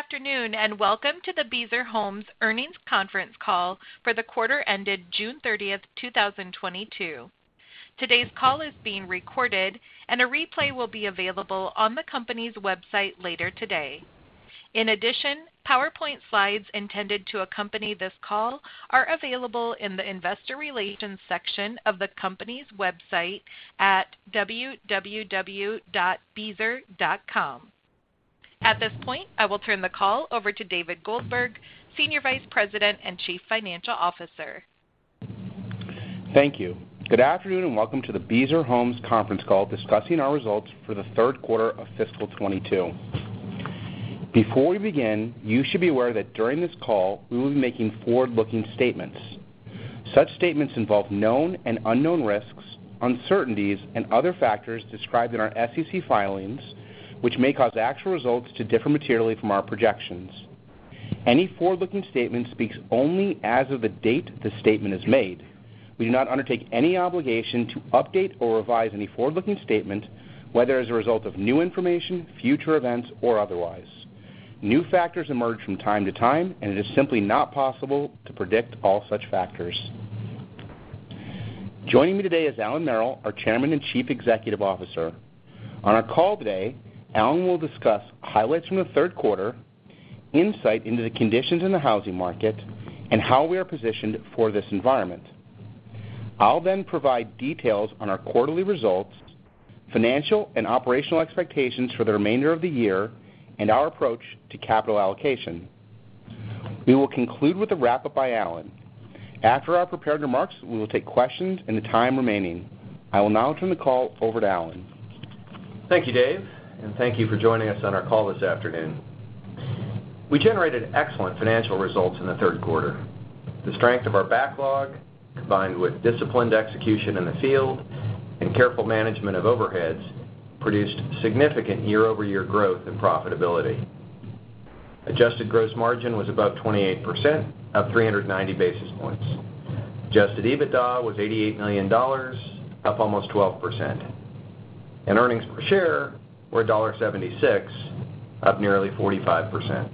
Good afternoon, and welcome to the Beazer Homes Earnings Conference Call for the quarter ended June 30, 2022. Today's call is being recorded, and a replay will be available on the company's website later today. In addition, PowerPoint slides intended to accompany this call are available in the Investor Relations section of the company's website at www.beazer.com. At this point, I will turn the call over to David Goldberg, Senior Vice President and Chief Financial Officer. Thank you. Good afternoon, and welcome to the Beazer Homes conference call discussing our results for the third quarter of fiscal 2022. Before we begin, you should be aware that during this call, we will be making forward-looking statements. Such statements involve known and unknown risks, uncertainties, and other factors described in our SEC filings, which may cause actual results to differ materially from our projections. Any forward-looking statement speaks only as of the date the statement is made. We do not undertake any obligation to update or revise any forward-looking statement, whether as a result of new information, future events, or otherwise. New factors emerge from time to time, and it is simply not possible to predict all such factors. Joining me today is Allan Merrill, our Chairman and Chief Executive Officer. On our call today, Allan will discuss highlights from the third quarter, insight into the conditions in the housing market, and how we are positioned for this environment. I'll then provide details on our quarterly results, financial and operational expectations for the remainder of the year, and our approach to capital allocation. We will conclude with a wrap-up by Allan. After our prepared remarks, we will take questions in the time remaining. I will now turn the call over to Allan. Thank you, Dave, and thank you for joining us on our call this afternoon. We generated excellent financial results in the third quarter. The strength of our backlog, combined with disciplined execution in the field and careful management of overheads, produced significant year-over-year growth and profitability. Adjusted gross margin was above 28%, up 390 basis points. Adjusted EBITDA was $88 million, up almost 12%. Earnings per share were $0.76, up nearly 45%.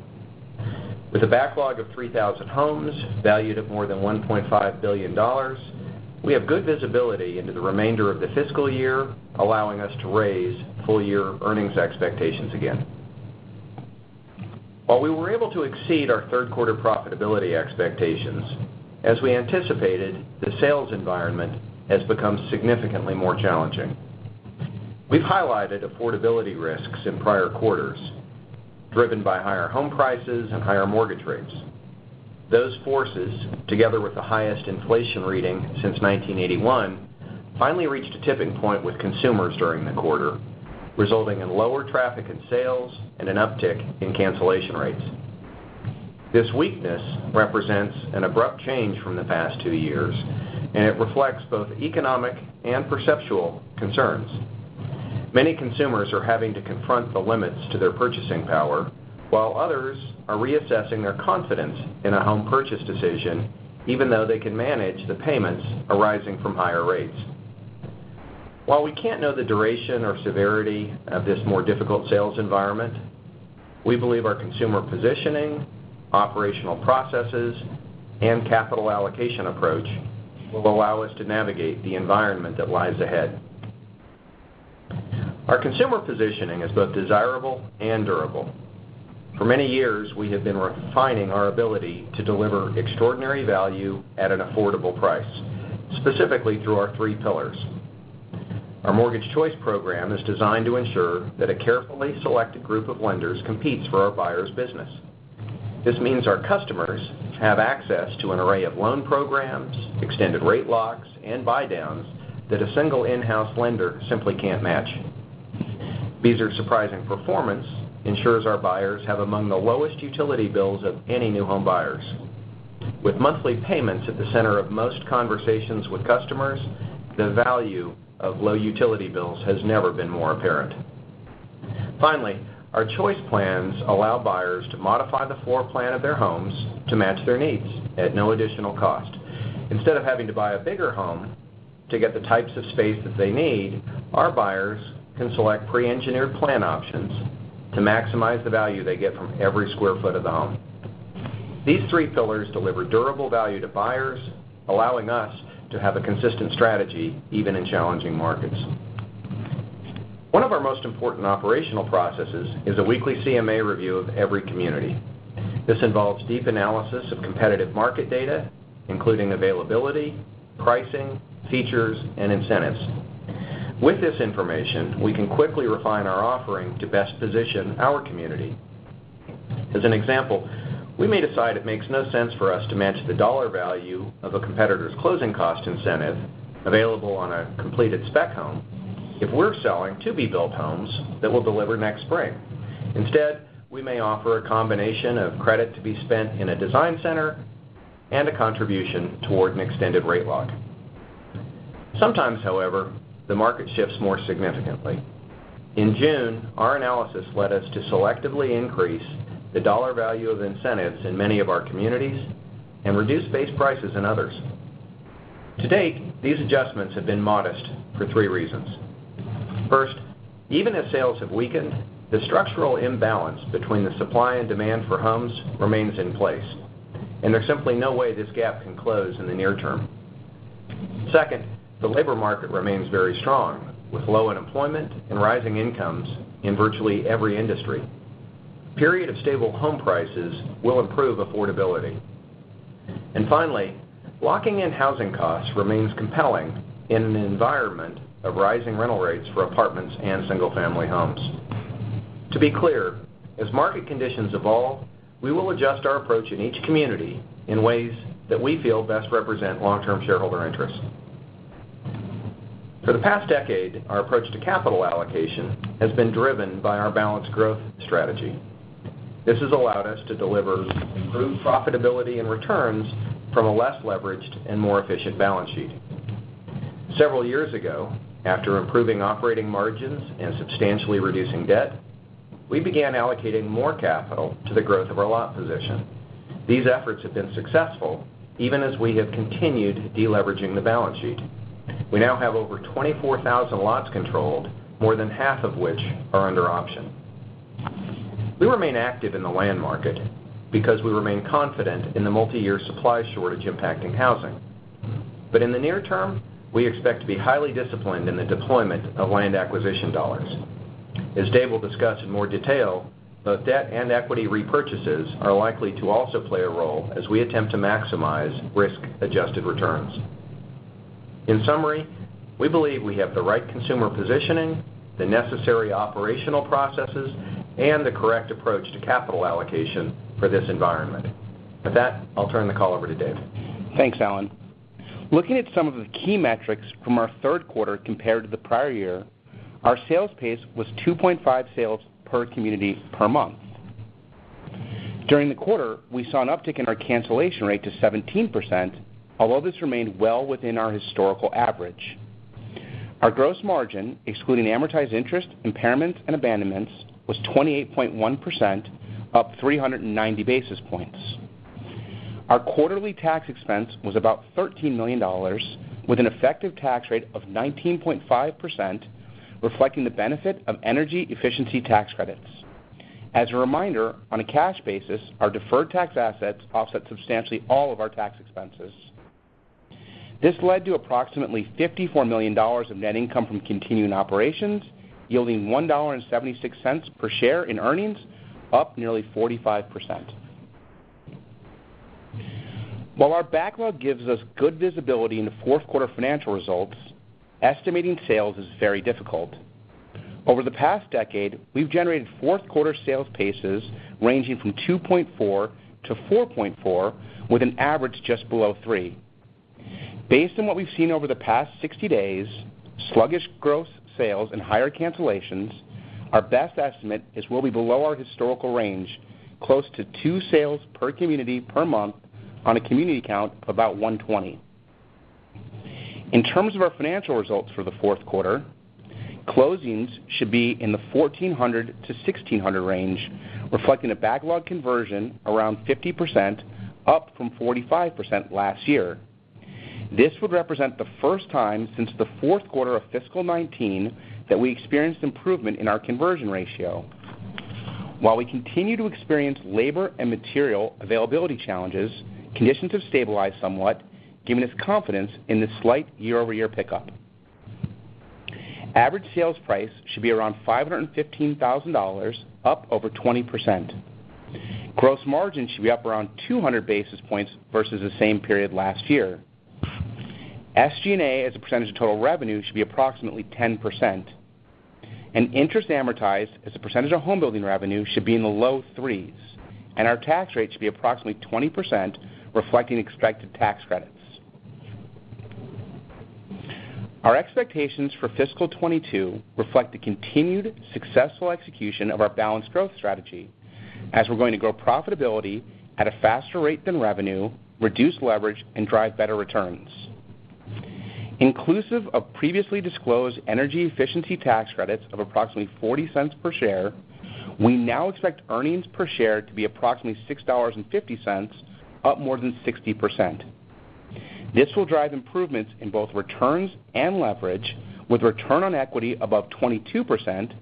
With a backlog of 3,000 homes valued at more than $1.5 billion, we have good visibility into the remainder of the fiscal year, allowing us to raise full-year earnings expectations again. While we were able to exceed our third quarter profitability expectations, as we anticipated, the sales environment has become significantly more challenging. We've highlighted affordability risks in prior quarters, driven by higher home prices and higher mortgage rates. Those forces, together with the highest inflation reading since 1981, finally reached a tipping point with consumers during the quarter, resulting in lower traffic and sales and an uptick in cancellation rates. This weakness represents an abrupt change from the past two years, and it reflects both economic and perceptual concerns. Many consumers are having to confront the limits to their purchasing power, while others are reassessing their confidence in a home purchase decision, even though they can manage the payments arising from higher rates. While we can't know the duration or severity of this more difficult sales environment, we believe our consumer positioning, operational processes, and capital allocation approach will allow us to navigate the environment that lies ahead. Our consumer positioning is both desirable and durable. For many years, we have been refining our ability to deliver extraordinary value at an affordable price, specifically through our three pillars. Our Mortgage Choice program is designed to ensure that a carefully selected group of lenders competes for our buyers' business. This means our customers have access to an array of loan programs, extended rate locks, and buydowns that a single in-house lender simply can't match. Beazer's Surprising Performance ensures our buyers have among the lowest utility bills of any new home buyers. With monthly payments at the center of most conversations with customers, the value of low utility bills has never been more apparent. Finally, our Choice Plans allow buyers to modify the floor plan of their homes to match their needs at no additional cost. Instead of having to buy a bigger home to get the types of space that they need, our buyers can select pre-engineered plan options to maximize the value they get from every square foot of the home. These three pillars deliver durable value to buyers, allowing us to have a consistent strategy even in challenging markets. One of our most important operational processes is a weekly CMA review of every community. This involves deep analysis of competitive market data, including availability, pricing, features, and incentives. With this information, we can quickly refine our offering to best position our community. As an example, we may decide it makes no sense for us to match the dollar value of a competitor's closing cost incentive available on a completed spec home if we're selling to-be-built homes that we'll deliver next spring. Instead, we may offer a combination of credit to be spent in a design center and a contribution toward an extended rate lock. Sometimes, however, the market shifts more significantly. In June, our analysis led us to selectively increase the dollar value of incentives in many of our communities and reduce base prices in others. To date, these adjustments have been modest for three reasons. First, even as sales have weakened, the structural imbalance between the supply and demand for homes remains in place, and there's simply no way this gap can close in the near term. Second, the labor market remains very strong, with low unemployment and rising incomes in virtually every industry. Period of stable home prices will improve affordability. Finally, locking in housing costs remains compelling in an environment of rising rental rates for apartments and single-family homes. To be clear, as market conditions evolve, we will adjust our approach in each community in ways that we feel best represent long-term shareholder interest. For the past decade, our approach to capital allocation has been driven by our balanced growth strategy. This has allowed us to deliver improved profitability and returns from a less leveraged and more efficient balance sheet. Several years ago, after improving operating margins and substantially reducing debt, we began allocating more capital to the growth of our lot position. These efforts have been successful even as we have continued deleveraging the balance sheet. We now have over 24,000 lots controlled, more than half of which are under option. We remain active in the land market because we remain confident in the multiyear supply shortage impacting housing. In the near term, we expect to be highly disciplined in the deployment of land acquisition dollars. As Dave will discuss in more detail, both debt and equity repurchases are likely to also play a role as we attempt to maximize risk-adjusted returns. In summary, we believe we have the right consumer positioning, the necessary operational processes, and the correct approach to capital allocation for this environment. With that, I'll turn the call over to Dave. Thanks, Allan. Looking at some of the key metrics from our third quarter compared to the prior year, our sales pace was 2.5 sales per community per month. During the quarter, we saw an uptick in our cancellation rate to 17%, although this remained well within our historical average. Our gross margin, excluding amortized interest, impairments, and abandonments, was 28.1%, up 390 basis points. Our quarterly tax expense was about $13 million, with an effective tax rate of 19.5%, reflecting the benefit of energy efficiency tax credits. As a reminder, on a cash basis, our deferred tax assets offset substantially all of our tax expenses. This led to approximately $54 million of net income from continuing operations, yielding $1.76 per share in earnings, up nearly 45%. While our backlog gives us good visibility into fourth quarter financial results, estimating sales is very difficult. Over the past decade, we've generated fourth quarter sales paces ranging from 2.4-4.4, with an average just below three. Based on what we've seen over the past 60 days, sluggish gross sales and higher cancellations, our best estimate is we'll be below our historical range, close to two sales per community per month on a community count of about 120. In terms of our financial results for the fourth quarter, closings should be in the 1,400-1,600 range, reflecting a backlog conversion around 50%, up from 45% last year. This would represent the first time since the fourth quarter of fiscal 2019 that we experienced improvement in our conversion ratio. While we continue to experience labor and material availability challenges, conditions have stabilized somewhat, giving us confidence in this slight year-over-year pickup. Average sales price should be around $515,000, up over 20%. Gross margin should be up around 200 basis points versus the same period last year. SG&A as a percentage of total revenue should be approximately 10%. Interest amortized as a percentage of home building revenue should be in the low threes, and our tax rate should be approximately 20%, reflecting expected tax credits. Our expectations for fiscal 2022 reflect the continued successful execution of our balanced growth strategy as we're going to grow profitability at a faster rate than revenue, reduce leverage, and drive better returns. Inclusive of previously disclosed energy efficiency tax credits of approximately $0.40 per share, we now expect earnings per share to be approximately $6.50, up more than 60%. This will drive improvements in both returns and leverage with return on equity above 22%,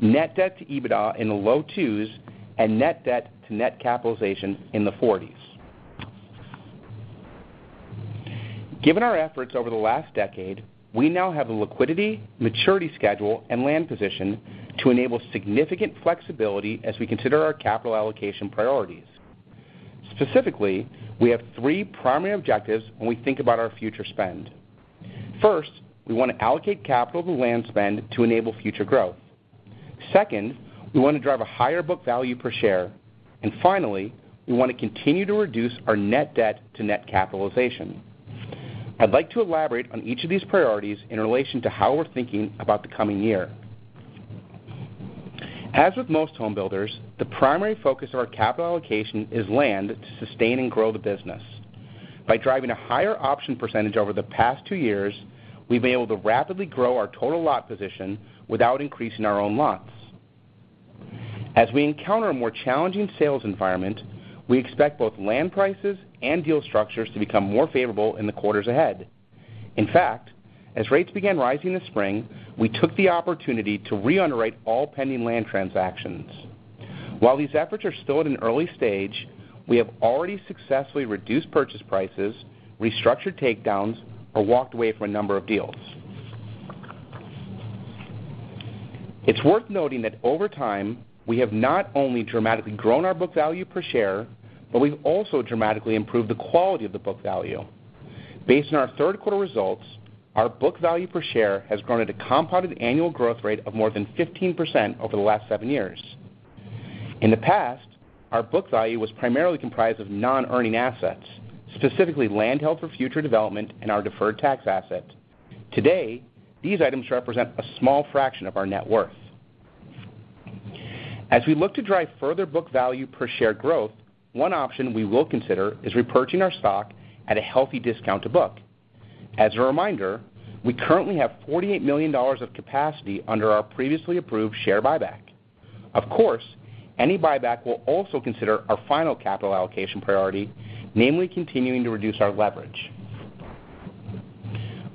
net debt to EBITDA in the low twos, and net debt to net capitalization in the 40s. Given our efforts over the last decade, we now have the liquidity, maturity schedule, and land position to enable significant flexibility as we consider our capital allocation priorities. Specifically, we have three primary objectives when we think about our future spend. First, we want to allocate capital to land spend to enable future growth. Second, we want to drive a higher book value per share. And finally, we want to continue to reduce our net debt to net capitalization. I'd like to elaborate on each of these priorities in relation to how we're thinking about the coming year. As with most home builders, the primary focus of our capital allocation is land to sustain and grow the business. By driving a higher option percentage over the past two years, we've been able to rapidly grow our total lot position without increasing our own lots. As we encounter a more challenging sales environment, we expect both land prices and deal structures to become more favorable in the quarters ahead. In fact, as rates began rising this spring, we took the opportunity to re-underwrite all pending land transactions. While these efforts are still at an early stage, we have already successfully reduced purchase prices, restructured takedowns, or walked away from a number of deals. It's worth noting that over time, we have not only dramatically grown our book value per share, but we've also dramatically improved the quality of the book value. Based on our third quarter results, our book value per share has grown at a compounded annual growth rate of more than 15% over the last seven years. In the past, our book value was primarily comprised of non-earning assets, specifically land held for future development and our deferred tax asset. Today, these items represent a small fraction of our net worth. As we look to drive further book value per share growth, one option we will consider is repurchasing our stock at a healthy discount to book. As a reminder, we currently have $48 million of capacity under our previously approved share buyback. Of course, any buyback will also consider our final capital allocation priority, namely continuing to reduce our leverage.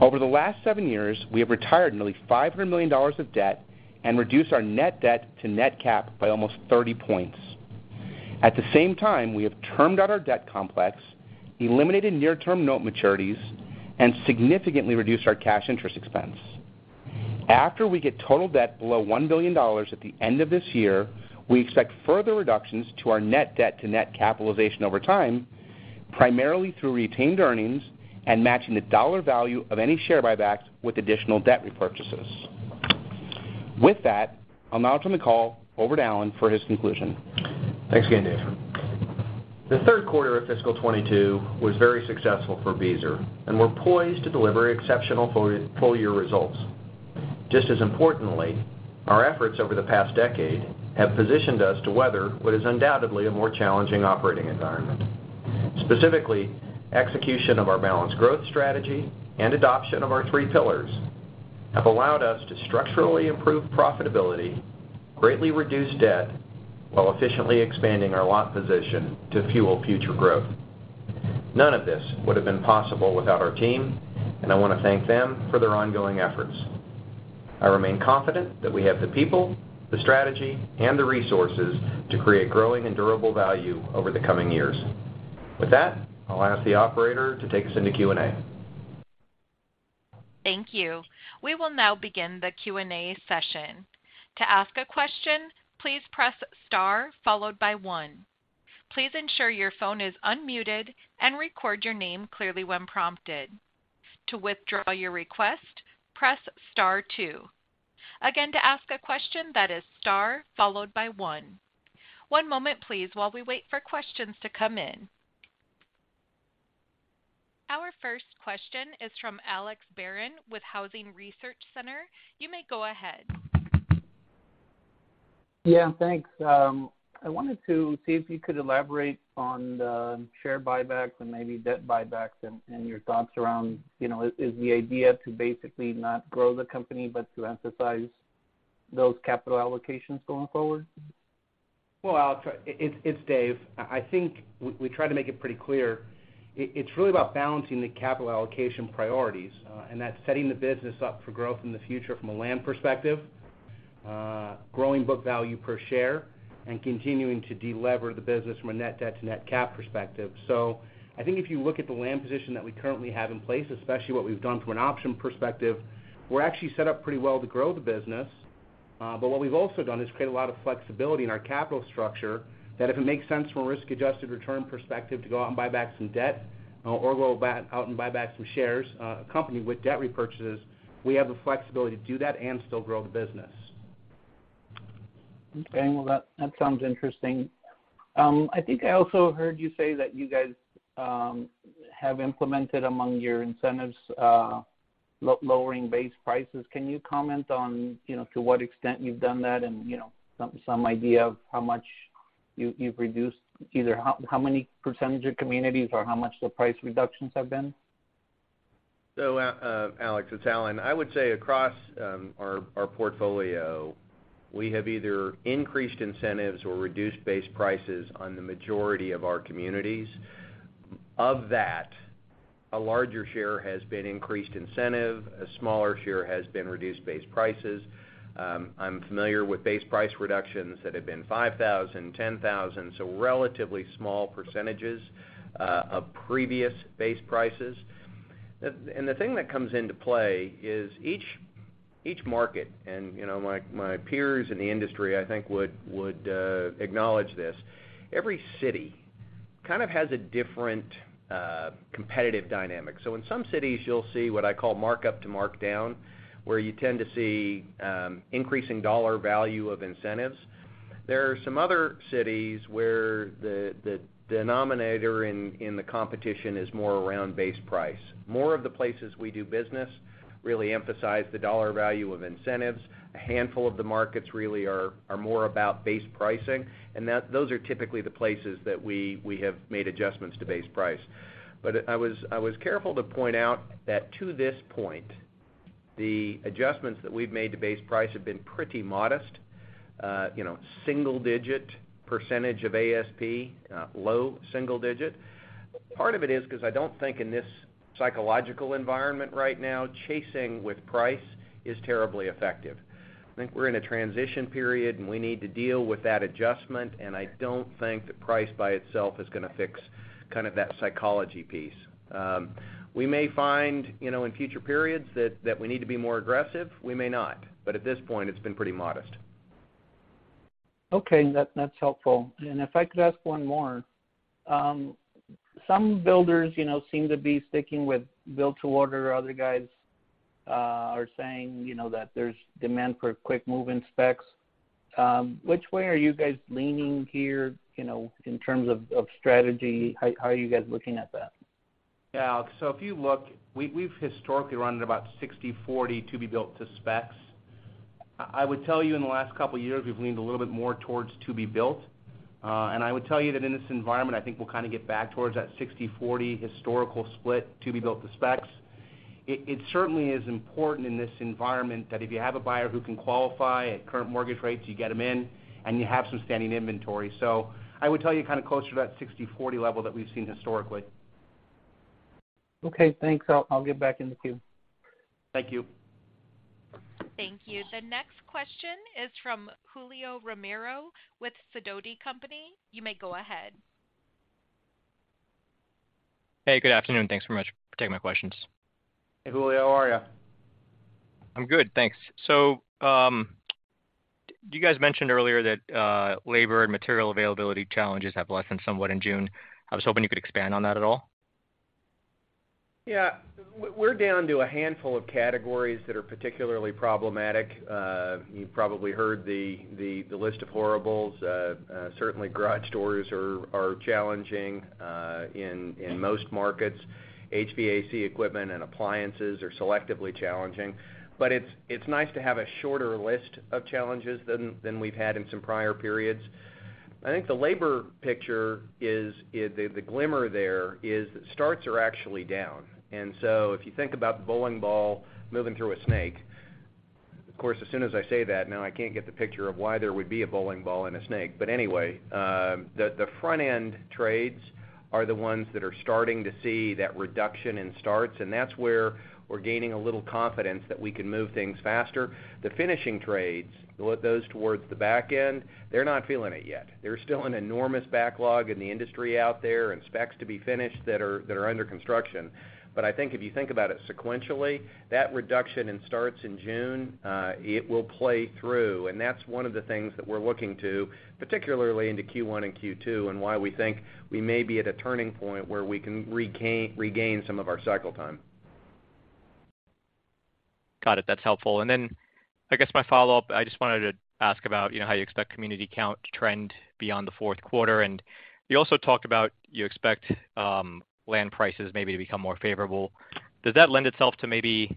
Over the last seven years, we have retired nearly $500 million of debt and reduced our net debt to net capitalization by almost 30 points. At the same time, we have termed out our debt complex, eliminated near-term note maturities, and significantly reduced our cash interest expense. After we get total debt below $1 billion at the end of this year, we expect further reductions to our net debt to net capitalization over time, primarily through retained earnings and matching the dollar value of any share buybacks with additional debt repurchases. With that, I'll now turn the call over to Allan Merrill for his conclusion. Thanks again, Dave. The third quarter of fiscal 2022 was very successful for Beazer, and we're poised to deliver exceptional full year results. Just as importantly, our efforts over the past decade have positioned us to weather what is undoubtedly a more challenging operating environment. Specifically, execution of our balanced growth strategy and adoption of our three pillars have allowed us to structurally improve profitability, greatly reduce debt, while efficiently expanding our lot position to fuel future growth. None of this would have been possible without our team, and I want to thank them for their ongoing efforts. I remain confident that we have the people, the strategy, and the resources to create growing and durable value over the coming years. With that, I'll ask the operator to take us into Q&A. Thank you. We will now begin the Q&A session. To ask a question, please press star followed by one. Please ensure your phone is unmuted and record your name clearly when prompted. To withdraw your request, press star two. Again, to ask a question, that is star followed by one. One moment, please, while we wait for questions to come in. Our first question is from Alex Barron with Housing Research Center. You may go ahead. Yeah, thanks. I wanted to see if you could elaborate on the share buybacks and maybe debt buybacks and your thoughts around, you know, is the idea to basically not grow the company, but to emphasize those capital allocations going forward? Well, Alex, it's Dave. I think we try to make it pretty clear. It's really about balancing the capital allocation priorities, and that's setting the business up for growth in the future from a land perspective, growing book value per share and continuing to delever the business from a net debt to net cap perspective. I think if you look at the land position that we currently have in place, especially what we've done from an option perspective, we're actually set up pretty well to grow the business. What we've also done is create a lot of flexibility in our capital structure that if it makes sense from a risk-adjusted return perspective to go out and buy back some debt or go out and buy back some shares, accompanied with debt repurchases, we have the flexibility to do that and still grow the business. Okay. Well, that sounds interesting. I think I also heard you say that you guys have implemented among your incentives lowering base prices. Can you comment on, you know, to what extent you've done that and, you know, some idea of how much you've reduced, either how many percentage of communities or how much the price reductions have been? Alex, it's Allan. I would say across our portfolio, we have either increased incentives or reduced base prices on the majority of our communities. Of that, a larger share has been increased incentive, a smaller share has been reduced base prices. I'm familiar with base price reductions that have been $5,000, $10,000, so relatively small percentages of previous base prices. The thing that comes into play is each market, and you know, my peers in the industry, I think, would acknowledge this, every city kind of has a different competitive dynamic. In some cities you'll see what I call markup to markdown, where you tend to see increasing dollar value of incentives. There are some other cities where the denominator in the competition is more around base price. More of the places we do business really emphasize the dollar value of incentives. A handful of the markets really are more about base pricing, and those are typically the places that we have made adjustments to base price. I was careful to point out that to this point. The adjustments that we've made to base price have been pretty modest, you know, single digit percentage of ASP, low single digit. Part of it is because I don't think in this psychological environment right now, chasing with price is terribly effective. I think we're in a transition period, and we need to deal with that adjustment, and I don't think that price by itself is gonna fix kind of that psychology piece. We may find, you know, in future periods that we need to be more aggressive, we may not. At this point, it's been pretty modest. Okay. That's helpful. If I could ask one more. Some builders, you know, seem to be sticking with build to order. Other guys are saying, you know, that there's demand for quick move-in specs. Which way are you guys leaning here, you know, in terms of strategy? How are you guys looking at that? Yeah. If you look, we've historically run at about 60/40 to be built to specs. I would tell you in the last couple years, we've leaned a little bit more towards to be built. I would tell you that in this environment, I think we'll kind of get back towards that 60/40 historical split to be built to specs. It certainly is important in this environment that if you have a buyer who can qualify at current mortgage rates, you get them in, and you have some standing inventory. I would tell you kind of closer to that 60/40 level that we've seen historically. Okay, thanks. I'll get back in the queue. Thank you. Thank you. The next question is from Julio Romero with Sidoti & Company. You may go ahead. Hey, good afternoon. Thanks so much for taking my questions. Hey, Julio, how are you? I'm good, thanks. You guys mentioned earlier that labor and material availability challenges have lessened somewhat in June. I was hoping you could expand on that at all. Yeah. We're down to a handful of categories that are particularly problematic. You probably heard the list of horribles. Certainly garage doors are challenging in most markets. HVAC equipment and appliances are selectively challenging. It's nice to have a shorter list of challenges than we've had in some prior periods. I think the labor picture is. The glimmer there is starts are actually down. If you think about the bowling ball moving through a snake, of course, as soon as I say that, now I can't get the picture of why there would be a bowling ball in a snake. Anyway, the front-end trades are the ones that are starting to see that reduction in starts, and that's where we're gaining a little confidence that we can move things faster. The finishing trades, those towards the back end, they're not feeling it yet. There's still an enormous backlog in the industry out there and specs to be finished that are under construction. But I think if you think about it sequentially, that reduction in starts in June, it will play through. That's one of the things that we're looking to, particularly into Q1 and Q2, and why we think we may be at a turning point where we can regain some of our cycle time. Got it. That's helpful. I guess my follow-up, I just wanted to ask about, you know, how you expect community count to trend beyond the fourth quarter. You also talked about you expect land prices maybe to become more favorable. Does that lend itself to maybe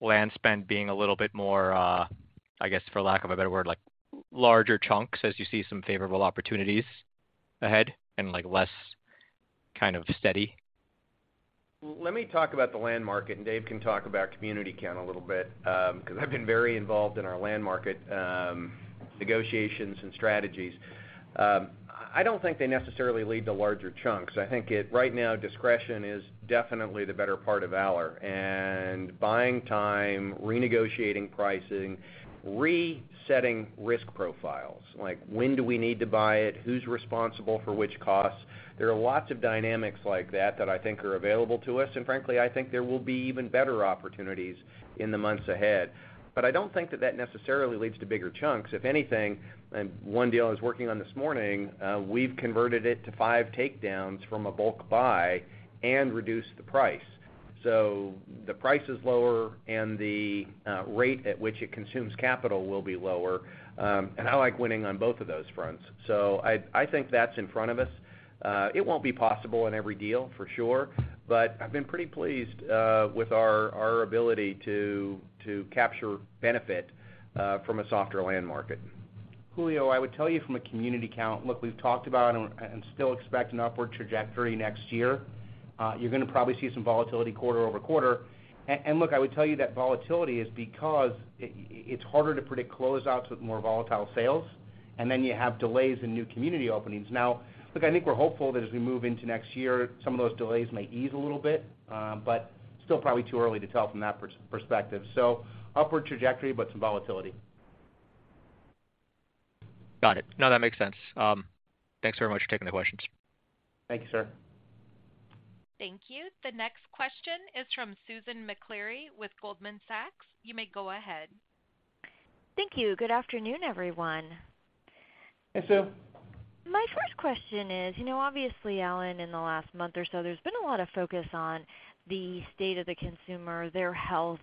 land spend being a little bit more, I guess, for lack of a better word, like larger chunks as you see some favorable opportunities ahead and, like, less kind of steady? Let me talk about the land market, and Dave can talk about community count a little bit, because I've been very involved in our land market, negotiations and strategies. I don't think they necessarily lead to larger chunks. I think it, right now, discretion is definitely the better part of valor. Buying time, renegotiating pricing, resetting risk profiles, like when do we need to buy it? Who's responsible for which costs? There are lots of dynamics like that that I think are available to us, and frankly, I think there will be even better opportunities in the months ahead. I don't think that necessarily leads to bigger chunks. If anything, one deal I was working on this morning, we've converted it to five takedowns from a bulk buy and reduced the price. The price is lower, and the rate at which it consumes capital will be lower. I like winning on both of those fronts. I think that's in front of us. It won't be possible in every deal, for sure, but I've been pretty pleased with our ability to capture benefit from a softer land market. Julio, I would tell you from a community count, look, we've talked about and still expect an upward trajectory next year. You're gonna probably see some volatility quarter-over-quarter. Look, I would tell you that volatility is because it's harder to predict closings with more volatile sales, and then you have delays in new community openings. Now, look, I think we're hopeful that as we move into next year, some of those delays may ease a little bit, but still probably too early to tell from that perspective. Upward trajectory, but some volatility. Got it. No, that makes sense. Thanks very much for taking the questions. Thank you, sir. Thank you. The next question is from Susan Maklari with Goldman Sachs. You may go ahead. Thank you. Good afternoon, everyone. Hey, Sue. My first question is, you know, obviously, Allan, in the last month or so, there's been a lot of focus on the state of the consumer, their health,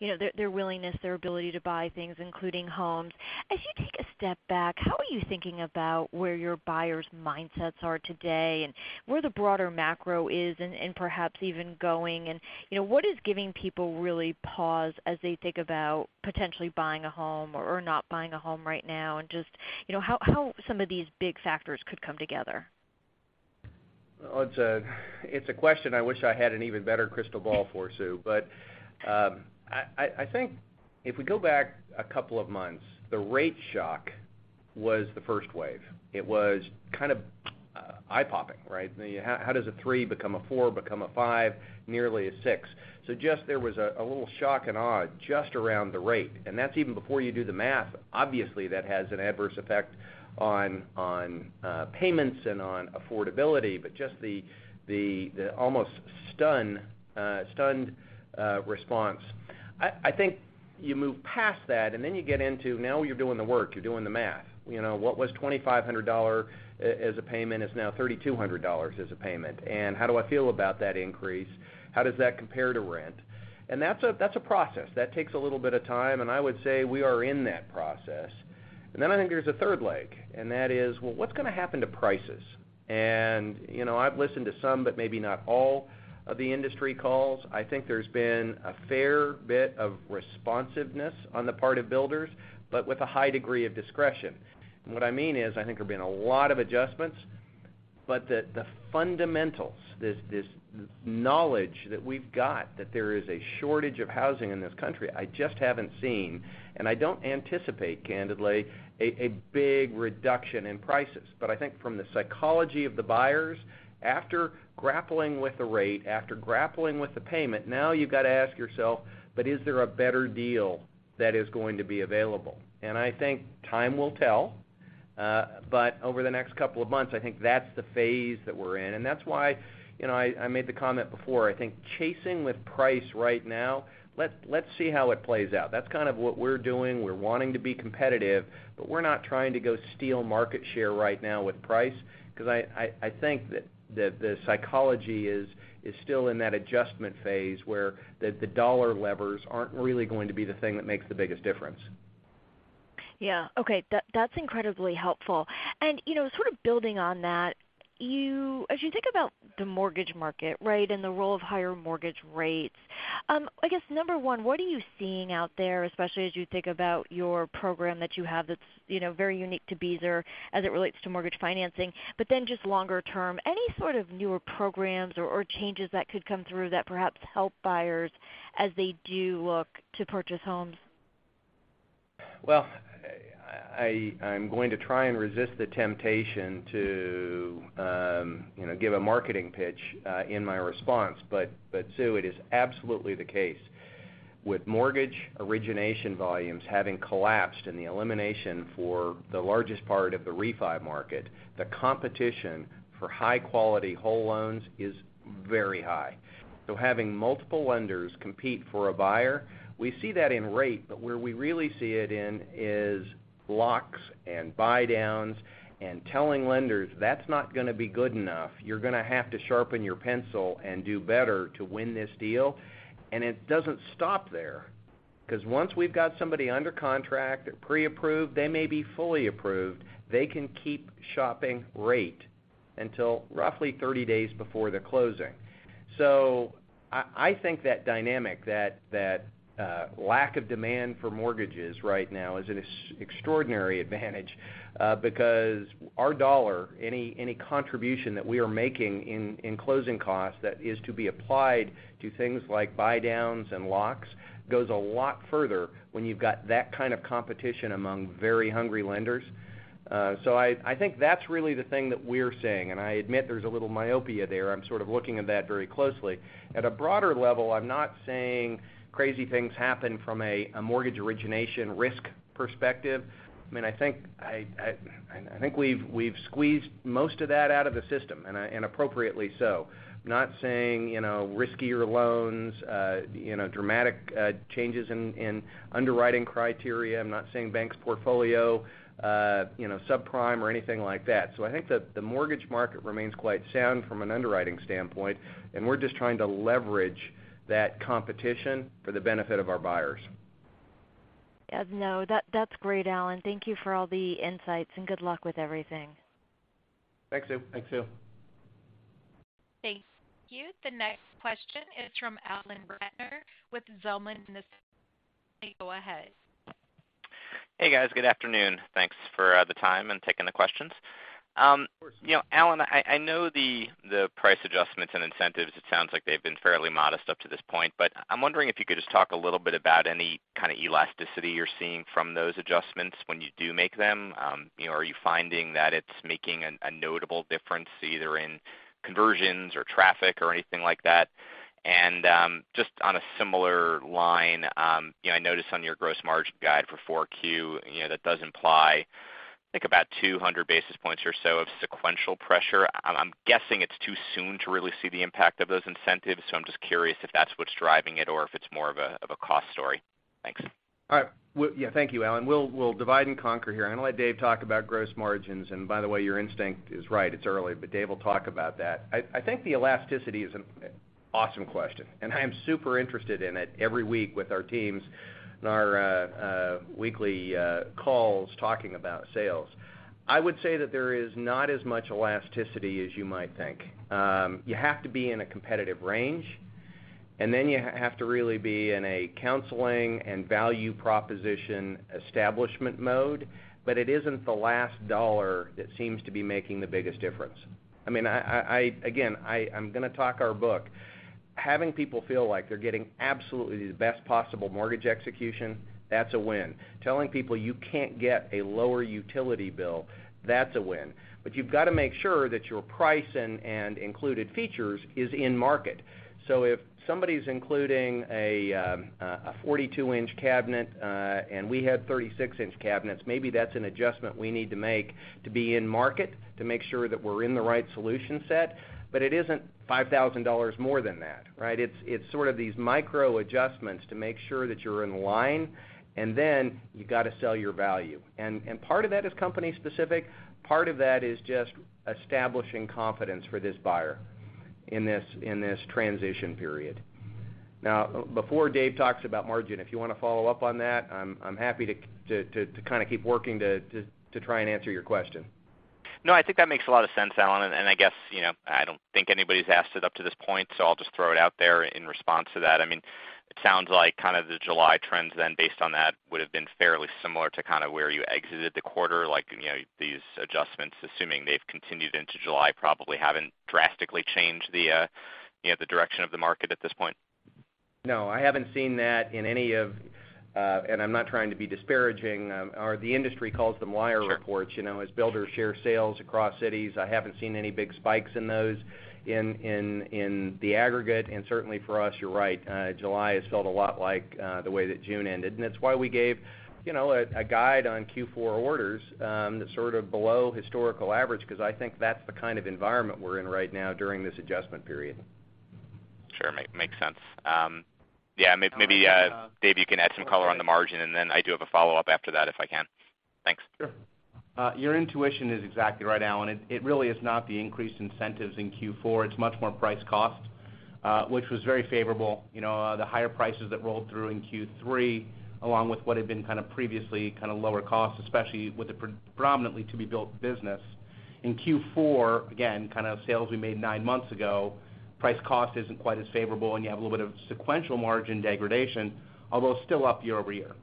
you know, their willingness, their ability to buy things, including homes. As you take a step back, how are you thinking about where your buyers' mindsets are today and where the broader macro is and perhaps even going and, you know, what is giving people really pause as they think about potentially buying a home or not buying a home right now and just, you know, how some of these big factors could come together? Oh, it's a question I wish I had an even better crystal ball for, Sue. I think if we go back a couple of months, the rate shock was the first wave. It was kind of eye-popping, right? I mean, how does a 3% become a 4% become a 5%, nearly a 6%? Just there was a little shock and awe just around the rate, and that's even before you do the math. Obviously, that has an adverse effect on payments and on affordability, but just the almost stunned response. I think you move past that, and then you get into now you're doing the work, you're doing the math. You know, what was $2,500 as a payment is now $3,200 as a payment. How do I feel about that increase? How does that compare to rent? That's a process. That takes a little bit of time, and I would say we are in that process. Then I think there's a third leg, and that is, well, what's gonna happen to prices? You know, I've listened to some, but maybe not all of the industry calls. I think there's been a fair bit of responsiveness on the part of builders, but with a high degree of discretion. What I mean is, I think there have been a lot of adjustments, but the fundamentals, this knowledge that we've got that there is a shortage of housing in this country, I just haven't seen, and I don't anticipate, candidly, a big reduction in prices. I think from the psychology of the buyers, after grappling with the rate, after grappling with the payment, now you've got to ask yourself, but is there a better deal that is going to be available? I think time will tell over the next couple of months, I think that's the phase that we're in. That's why, you know, I made the comment before. I think chasing with price right now, let's see how it plays out. That's kind of what we're doing. We're wanting to be competitive, but we're not trying to go steal market share right now with price because I think that the psychology is still in that adjustment phase where the dollar levers aren't really going to be the thing that makes the biggest difference. Yeah. Okay. That, that's incredibly helpful. You know, sort of building on that, as you think about the mortgage market, right, and the role of higher mortgage rates, I guess, number one, what are you seeing out there, especially as you think about your program that you have that's, you know, very unique to Beazer as it relates to mortgage financing? But then just longer term, any sort of newer programs or changes that could come through that perhaps help buyers as they do look to purchase homes? Well, I'm going to try and resist the temptation to, you know, give a marketing pitch, in my response. Sue, it is absolutely the case. With mortgage origination volumes having collapsed and the elimination for the largest part of the refi market, the competition for high-quality whole loans is very high. Having multiple lenders compete for a buyer, we see that in rate, but where we really see it in is locks and buydowns and telling lenders, that's not gonna be good enough. You're gonna have to sharpen your pencil and do better to win this deal. It doesn't stop there, because once we've got somebody under contract preapproved, they may be fully approved, they can keep shopping rate until roughly 30 days before the closing. I think that dynamic, that lack of demand for mortgages right now is an extraordinary advantage, because our dollar any contribution that we are making in closing costs that is to be applied to things like buydowns and locks goes a lot further when you've got that kind of competition among very hungry lenders. I think that's really the thing that we're seeing, and I admit there's a little myopia there. I'm sort of looking at that very closely. At a broader level, I'm not saying crazy things happen from a mortgage origination risk perspective. I mean, I think we've squeezed most of that out of the system, and appropriately so. I'm not saying, you know, riskier loans, you know, dramatic changes in underwriting criteria. I'm not saying bank's portfolio, you know, subprime or anything like that. I think that the mortgage market remains quite sound from an underwriting standpoint, and we're just trying to leverage that competition for the benefit of our buyers. Yeah. No, that's great, Allan. Thank you for all the insights, and good luck with everything. Thanks, Sue. Thank you. The next question is from Alan Ratner with Zelman & Associates. Please go ahead. Hey, guys. Good afternoon. Thanks for the time and taking the questions. Of course. You know, Allan, I know the price adjustments and incentives, it sounds like they've been fairly modest up to this point. I'm wondering if you could just talk a little bit about any kind of elasticity you're seeing from those adjustments when you do make them. You know, are you finding that it's making a notable difference either in conversions or traffic or anything like that? Just on a similar line, you know, I noticed on your gross margin guide for 4Q, you know, that does imply, I think, about 200 basis points or so of sequential pressure. I'm guessing it's too soon to really see the impact of those incentives, so I'm just curious if that's what's driving it or if it's more of a cost story. Thanks. All right. Well, yeah. Thank you, Allan. We'll divide and conquer here. I'm gonna let David talk about gross margins. By the way, your instinct is right, it's early, but David will talk about that. I think the elasticity is an awesome question, and I am super interested in it every week with our teams in our weekly calls talking about sales. I would say that there is not as much elasticity as you might think. You have to be in a competitive range. Then you have to really be in a counseling and value proposition establishment mode, but it isn't the last dollar that seems to be making the biggest difference. I mean, again, I'm gonna talk our book. Having people feel like they're getting absolutely the best possible mortgage execution, that's a win. Telling people you can't get a lower utility bill, that's a win. You've got to make sure that your price and included features is in market. If somebody's including a 42-in cabinet and we have 36-in cabinets, maybe that's an adjustment we need to make to be in market to make sure that we're in the right solution set, but it isn't $5,000 more than that, right? It's sort of these micro adjustments to make sure that you're in line, and then you gotta sell your value. Part of that is company specific, part of that is just establishing confidence for this buyer in this transition period. Now, before Dave talks about margin, if you wanna follow up on that, I'm happy to kind of keep working to try and answer your question. No, I think that makes a lot of sense, Alan. I guess, you know, I don't think anybody's asked it up to this point, so I'll just throw it out there in response to that. I mean, it sounds like kind of the July trends then based on that would have been fairly similar to kind of where you exited the quarter. Like, you know, these adjustments, assuming they've continued into July, probably haven't drastically changed the, you know, the direction of the market at this point. No, I haven't seen that in any of, and I'm not trying to be disparaging, or the industry calls them wire reports. Sure. You know, as builders share sales across cities, I haven't seen any big spikes in those in the aggregate. Certainly for us, you're right, July has felt a lot like the way that June ended. It's why we gave, you know, a guide on Q4 orders, that's sort of below historical average, because I think that's the kind of environment we're in right now during this adjustment period. Sure. Makes sense. Yeah, maybe, Dave, you can add some color on the margin, and then I do have a follow-up after that if I can. Thanks. Sure. Your intuition is exactly right, Alan. It really is not the increased incentives in Q4. It's much more price cost, which was very favorable. You know, the higher prices that rolled through in Q3, along with what had been kind of previously kind of lower costs, especially with the predominantly to-be-built business. In Q4, again, kind of sales we made nine months ago, price cost isn't quite as favorable, and you have a little bit of sequential margin degradation, although still up year-over-year.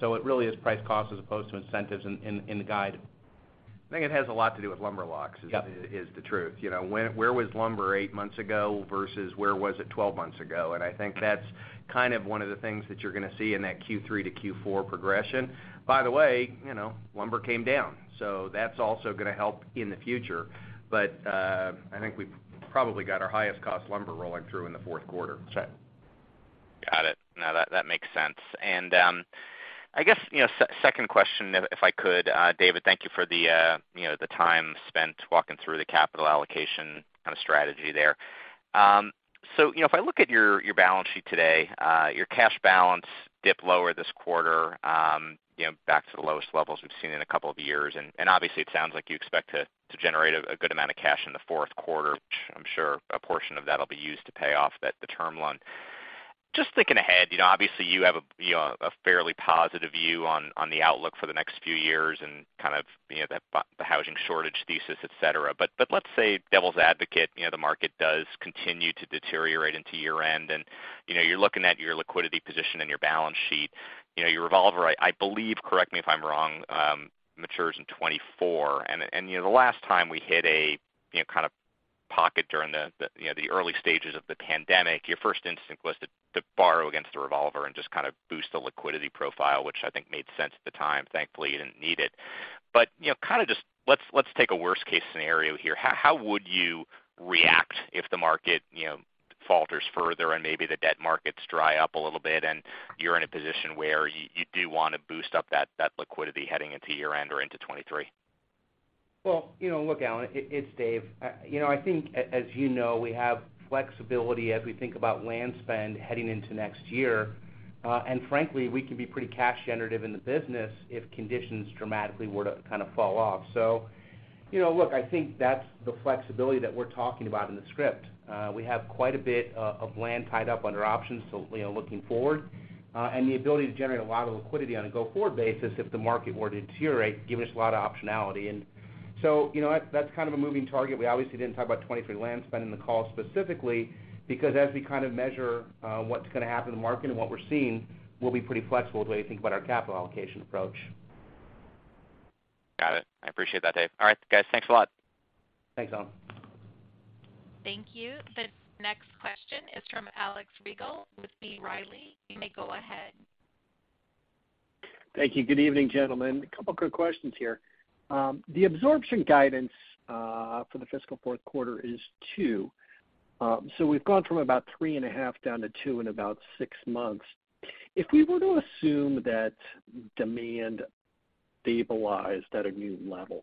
So it really is price cost as opposed to incentives in the guide. I think it has a lot to do with lumber costs. Yep is the truth. You know, where was lumber eight months ago versus where was it 12 months ago? I think that's kind of one of the things that you're gonna see in that Q3 to Q4 progression. By the way, you know, lumber came down, so that's also gonna help in the future. I think we've probably got our highest cost lumber rolling through in the fourth quarter. That's right. Got it. No, that makes sense. I guess, you know, second question, if I could, David, thank you for the, you know, the time spent walking through the capital allocation kind of strategy there. So, you know, if I look at your balance sheet today, your cash balance dipped lower this quarter, you know, back to the lowest levels we've seen in a couple of years. Obviously, it sounds like you expect to generate a good amount of cash in the fourth quarter, which I'm sure a portion of that'll be used to pay off the term loan. Just thinking ahead, you know, obviously you have a fairly positive view on the outlook for the next few years and kind of, you know, the housing shortage thesis, et cetera. Let's say devil's advocate, you know, the market does continue to deteriorate into year-end and, you know, you're looking at your liquidity position and your balance sheet. You know, your revolver, I believe, correct me if I'm wrong, matures in 2024. You know, the last time we hit a, you know, kind of pocket during the, you know, the early stages of the pandemic, your first instinct was to borrow against the revolver and just kind of boost the liquidity profile, which I think made sense at the time. Thankfully, you didn't need it. You know, kind of just let's take a worst case scenario here. How would you react if the market, you know, falters further and maybe the debt markets dry up a little bit and you're in a position where you do wanna boost up that liquidity heading into year-end or into 2023? Well, you know, look, Alan, it's Dave. You know, I think as you know, we have flexibility as we think about land spend heading into next year. Frankly, we can be pretty cash generative in the business if conditions dramatically were to kind of fall off. You know, look, I think that's the flexibility that we're talking about in the script. We have quite a bit of land tied up under options. You know, looking forward, the ability to generate a lot of liquidity on a go-forward basis if the market were to deteriorate, giving us a lot of optionality. You know, that's kind of a moving target. We obviously didn't talk about 2023 land spend in the call specifically, because as we kind of measure what's gonna happen in the market and what we're seeing, we'll be pretty flexible the way you think about our capital allocation approach. Got it. I appreciate that, Dave. All right, guys. Thanks a lot. Thanks, Allan. Thank you. The next question is from Alex Rygiel with B. Riley. You may go ahead. Thank you. Good evening, gentlemen. A couple quick questions here. The absorption guidance for the fiscal fourth quarter is two. We've gone from about 3.5 down to two in about six months. If we were to assume that demand stabilized at a new level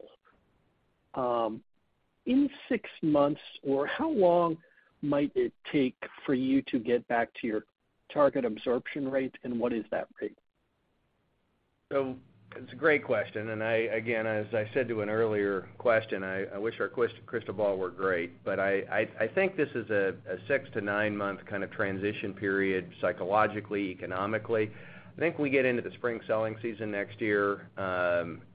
in six months, or how long might it take for you to get back to your target absorption rate, and what is that rate? It's a great question. I, again, as I said to an earlier question, I think this is a six-nine-month kind of transition period, psychologically, economically. I think we get into the spring selling season next year.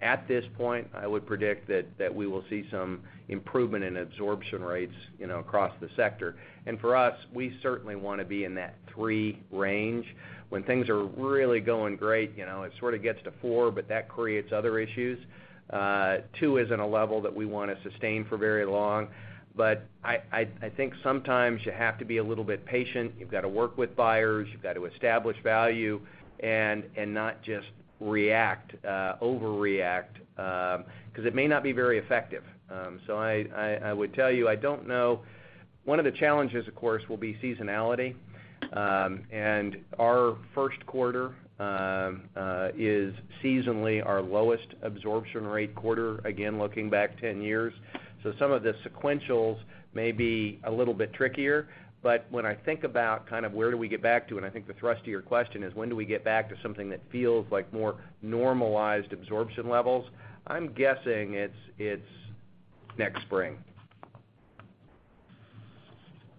At this point, I would predict that we will see some improvement in absorption rates, you know, across the sector. For us, we certainly wanna be in that three range. When things are really going great, you know, it sort of gets to four, but that creates other issues. two isn't a level that we wanna sustain for very long. I think sometimes you have to be a little bit patient, you've got to work with buyers, you've got to establish value, and not just react, overreact, 'cause it may not be very effective. I would tell you, I don't know. One of the challenges, of course, will be seasonality. Our first quarter is seasonally our lowest absorption rate quarter, again, looking back 10 years. Some of the sequentials may be a little bit trickier, but when I think about kind of where do we get back to, and I think the thrust of your question is when do we get back to something that feels like more normalized absorption levels, I'm guessing it's next spring.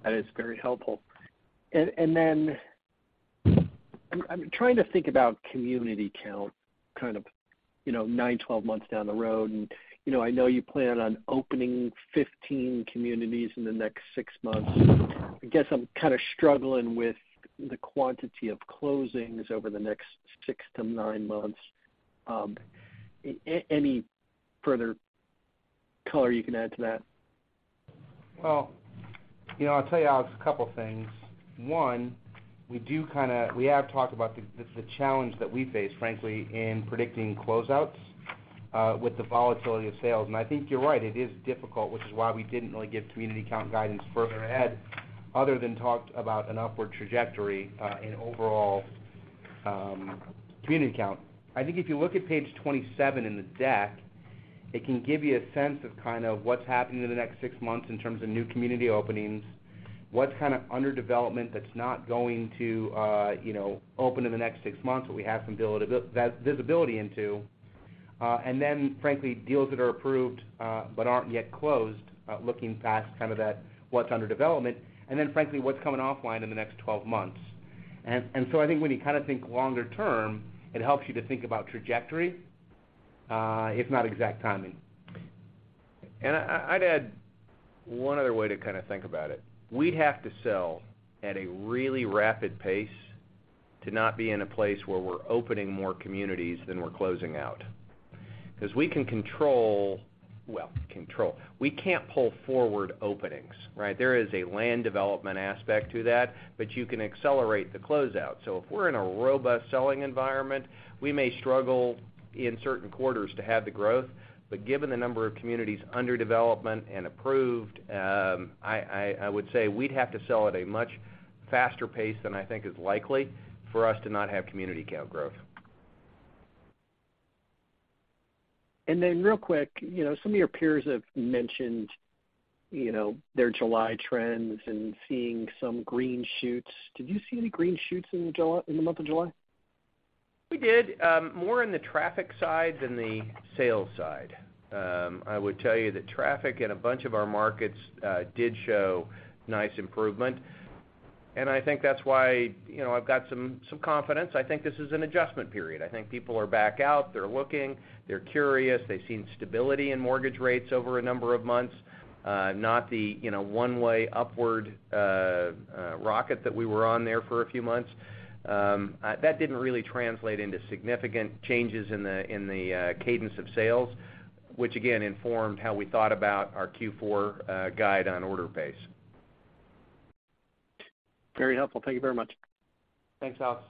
That is very helpful. Then I'm trying to think about community count kind of, you know, nine, 12 months down the road. You know, I know you plan on opening 15 communities in the next 6 months. I guess I'm kind of struggling with the quantity of closings over the next six-nine months. Any further color you can add to that? Well, you know, I'll tell you, Alex, a couple things. One, we have talked about the challenge that we face, frankly, in predicting close outs with the volatility of sales. I think you're right, it is difficult, which is why we didn't really give community count guidance further ahead, other than talked about an upward trajectory in overall community count. I think if you look at page 27 in the deck, it can give you a sense of kind of what's happening in the next six months in terms of new community openings, what's kind of under development that's not going to, you know, open in the next six months, but we have some visibility into, and then frankly, deals that are approved, but aren't yet closed, looking past kind of that what's under development, and then frankly, what's coming offline in the next 12 months. So I think when you kind of think longer term, it helps you to think about trajectory, if not exact timing. I'd add one other way to kind of think about it. We have to sell at a really rapid pace to not be in a place where we're opening more communities than we're closing out. 'Cause we can control. We can't pull forward openings, right? There is a land development aspect to that, but you can accelerate the closeout. If we're in a robust selling environment, we may struggle in certain quarters to have the growth. Given the number of communities under development and approved, I would say we'd have to sell at a much faster pace than I think is likely for us to not have community count growth. Real quick, you know, some of your peers have mentioned, you know, their July trends and seeing some green shoots. Did you see any green shoots in July, in the month of July? We did more in the traffic side than the sales side. I would tell you that traffic in a bunch of our markets did show nice improvement, and I think that's why, you know, I've got some confidence. I think this is an adjustment period. I think people are back out, they're looking, they're curious, they've seen stability in mortgage rates over a number of months, not the, you know, one-way upward rocket that we were on there for a few months. That didn't really translate into significant changes in the cadence of sales, which again, informed how we thought about our Q4 guide on order pace. Very helpful. Thank you very much. Thanks, Alex.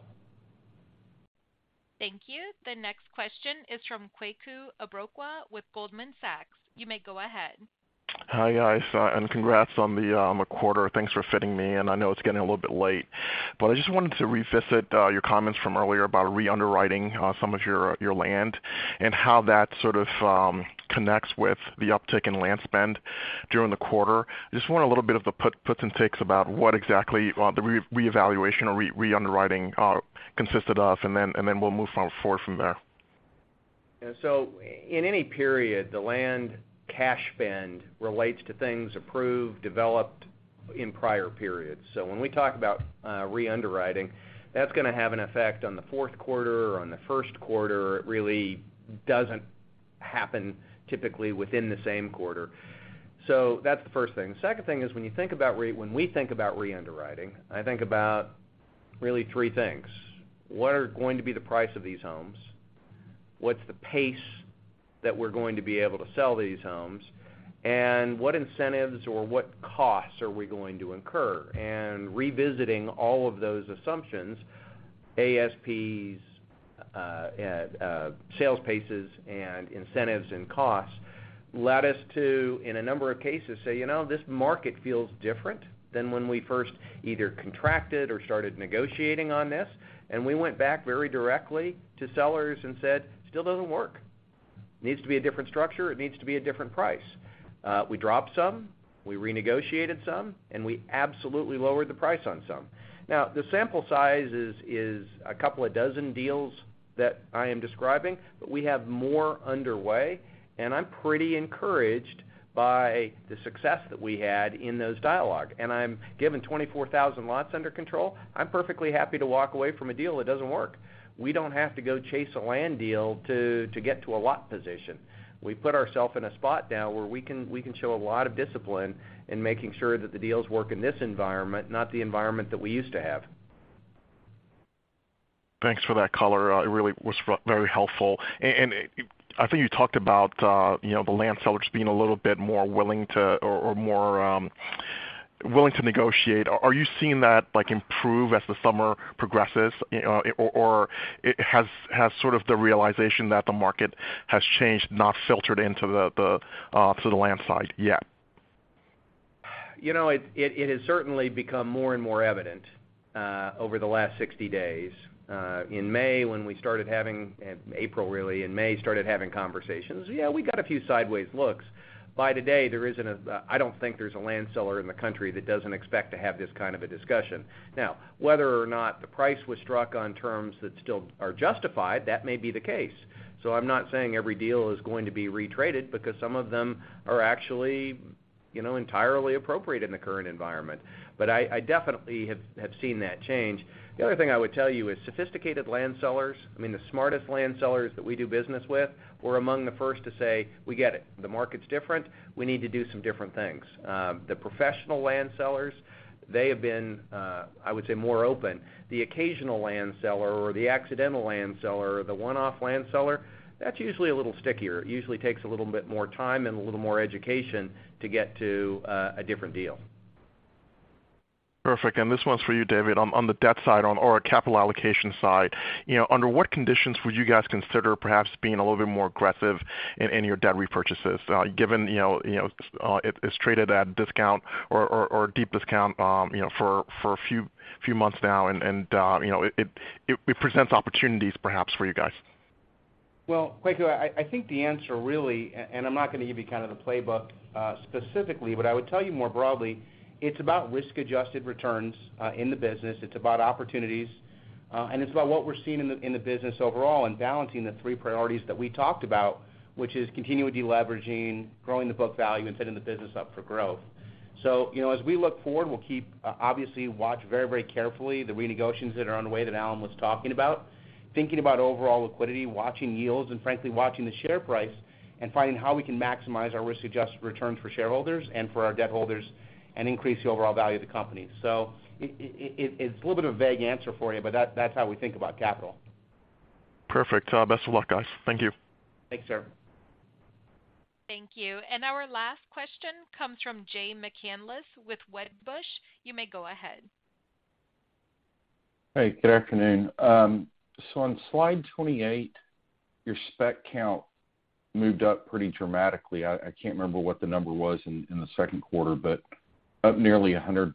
Thank you. The next question is from Kweku Abrokwa with Goldman Sachs. You may go ahead. Hi, guys, and congrats on the quarter. Thanks for fitting me in. I know it's getting a little bit late. I just wanted to revisit your comments from earlier about re-underwriting some of your land and how that sort of connects with the uptick in land spend during the quarter. Just want a little bit of the puts and takes about what exactly the revaluation or re-underwriting consisted of, and then we'll move on forward from there. Yeah. In any period, the land cash spend relates to things approved, developed in prior periods. When we talk about re-underwriting, that's gonna have an effect on the fourth quarter or on the first quarter. It really doesn't happen typically within the same quarter. That's the first thing. The second thing is when we think about re-underwriting, I think about really three things. What are going to be the price of these homes? What's the pace that we're going to be able to sell these homes? And what incentives or what costs are we going to incur? Revisiting all of those assumptions, ASPs, sales paces, and incentives and costs led us to, in a number of cases, say, "You know, this market feels different than when we first either contracted or started negotiating on this." We went back very directly to sellers and said, "Still doesn't work. Needs to be a different structure, it needs to be a different price." We dropped some, we renegotiated some, and we absolutely lowered the price on some. Now, the sample size is a couple of dozen deals that I am describing, but we have more underway, and I'm pretty encouraged by the success that we had in those dialogues. We have 24,000 lots under control. I'm perfectly happy to walk away from a deal that doesn't work. We don't have to go chase a land deal to get to a lot position. We put ourselves in a spot now where we can show a lot of discipline in making sure that the deals work in this environment, not the environment that we used to have. Thanks for that color. It really was very helpful. I think you talked about, you know, the land sellers being a little bit more willing to, or more willing to negotiate. Are you seeing that, like, improve as the summer progresses, you know, or has sort of the realization that the market has changed, not filtered into the land side yet? You know, it has certainly become more and more evident over the last 60 days. In April, really, in May, we started having conversations. Yeah, we got a few sideways looks. By today, I don't think there's a land seller in the country that doesn't expect to have this kind of a discussion. Now, whether or not the price was struck on terms that still are justified, that may be the case. I'm not saying every deal is going to be retraded because some of them are actually, you know, entirely appropriate in the current environment. I definitely have seen that change. The other thing I would tell you is sophisticated land sellers, I mean, the smartest land sellers that we do business with, were among the first to say, "We get it. The market's different. We need to do some different things. The professional land sellers, they have been, I would say, more open. The occasional land seller or the accidental land seller, the one-off land seller, that's usually a little stickier. It usually takes a little bit more time and a little more education to get to a different deal. Perfect. This one's for you, David. On the debt side or our capital allocation side, you know, under what conditions would you guys consider perhaps being a little bit more aggressive in your debt repurchases, given, you know, it's traded at discount or deep discount, you know, for a few months now, and you know, it presents opportunities perhaps for you guys. Well, Kweku, I think the answer, really, and I'm not gonna give you kind of the playbook specifically, but I would tell you more broadly, it's about risk-adjusted returns in the business. It's about opportunities, and it's about what we're seeing in the business overall and balancing the three priorities that we talked about, which is continually deleveraging, growing the book value, and setting the business up for growth. You know, as we look forward, we'll obviously watch very, very carefully the renegotiations that are on the way that Alan was talking about, thinking about overall liquidity, watching yields, and frankly, watching the share price and finding how we can maximize our risk-adjusted return for shareholders and for our debt holders and increase the overall value of the company. It's a little bit of a vague answer for you, but that's how we think about capital. Perfect. Best of luck, guys. Thank you. Thanks, sir. Thank you. Our last question comes from Jay McCanless with Wedbush. You may go ahead. Hey, good afternoon. So on slide 28, your spec count moved up pretty dramatically. I can't remember what the number was in the second quarter, but up nearly 100%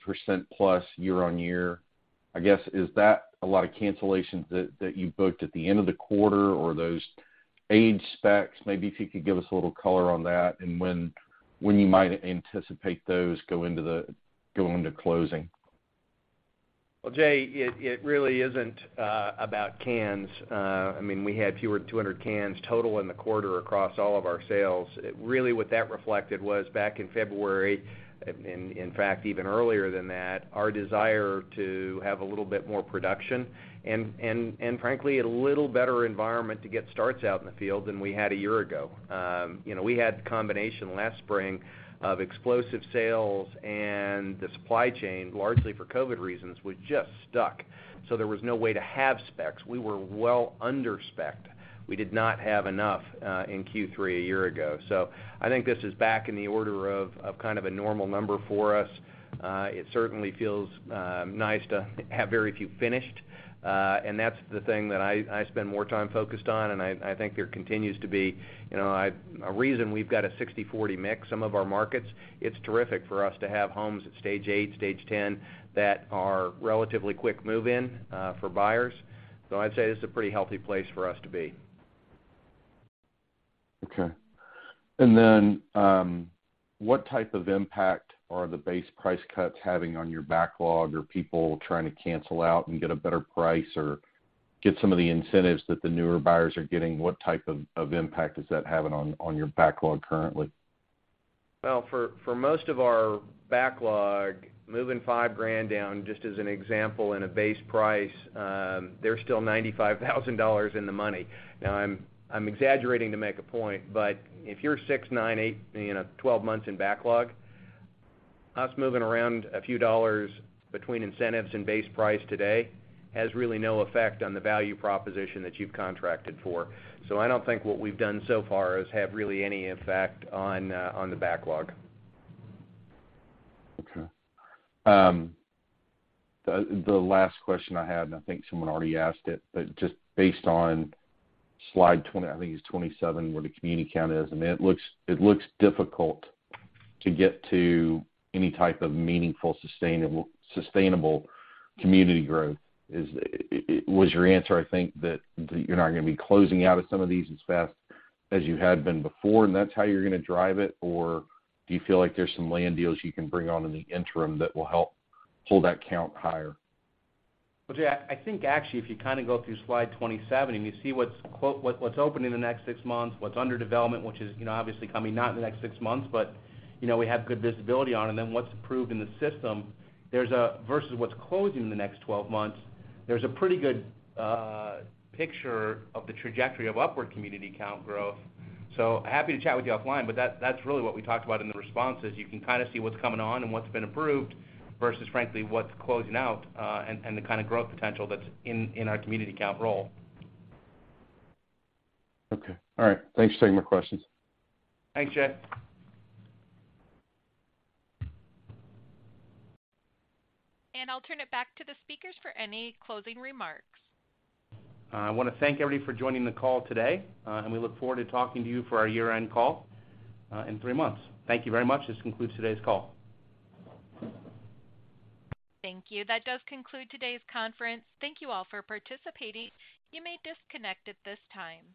year-on-year. I guess, is that a lot of cancellations that you booked at the end of the quarter or those aged specs? Maybe if you could give us a little color on that and when you might anticipate those go into closing. Well, Jay, it really isn't about cans. I mean, we had fewer than 200 cans total in the quarter across all of our sales. Really, what that reflected was back in February, in fact, even earlier than that, our desire to have a little bit more production and frankly, a little better environment to get starts out in the field than we had a year ago. You know, we had the combination last spring of explosive sales and the supply chain, largely for COVID reasons, was just stuck. There was no way to have specs. We were well under-specced. We did not have enough in Q3 a year ago. I think this is back in the order of kind of a normal number for us. It certainly feels nice to have very few finished, and that's the thing that I spend more time focused on, and I think there continues to be, you know, a reason we've got a 60/40 mix some of our markets. It's terrific for us to have homes at stage eight, stage 10 that are relatively quick move in, for buyers. I'd say this is a pretty healthy place for us to be. What type of impact are the base price cuts having on your backlog? Are people trying to cancel out and get a better price or get some of the incentives that the newer buyers are getting? What type of impact is that having on your backlog currently? Well, for most of our backlog, moving $5,000 down, just as an example, in a base price, they're still $95,000 in the money. Now I'm exaggerating to make a point, but if you're six, nine, eight, you know, 12 months in backlog, us moving around a few dollars between incentives and base price today has really no effect on the value proposition that you've contracted for. I don't think what we've done so far has had really any effect on the backlog. Okay. The last question I had, and I think someone already asked it, but just based on slide 20, I think it's 27, where the community count is, I mean, it looks difficult to get to any type of meaningful, sustainable community growth. Was your answer, I think, that you're not gonna be closing out of some of these as fast as you had been before, and that's how you're gonna drive it, or do you feel like there's some land deals you can bring on in the interim that will help hold that count higher? Well, Jay, I think actually, if you kind of go through slide 27 and you see what's opening in the next six months, what's under development, which is, you know, obviously coming not in the next six months, but, you know, we have good visibility on, and then what's approved in the system, there's versus what's closing in the next 12 months, a pretty good picture of the trajectory of upward community count growth. Happy to chat with you offline, but that's really what we talked about in the response is you can kind of see what's coming on and what's been approved versus, frankly, what's closing out, and the kind of growth potential that's in our community count role. Okay. All right. Thanks for taking my questions. Thanks, Jay. I'll turn it back to the speakers for any closing remarks. I wanna thank everybody for joining the call today, and we look forward to talking to you for our year-end call, in three months. Thank you very much. This concludes today's call. Thank you. That does conclude today's conference. Thank you all for participating. You may disconnect at this time.